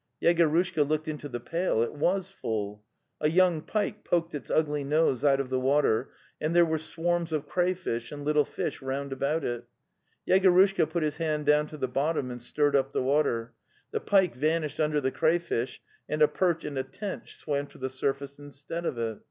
" Yegorushka looked into the pail: it was full. A young pike poked its ugly nose out of the water, and there were swarms of crayfish and little fish round about it. Yegorushka put his hand down to the bot tom and stirred up the water; the pike vanished un der the crayfish and a perch and a tench swam to the surface instead of it.